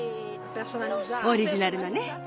オリジナルのね。